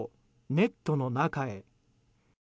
ネットの中へ。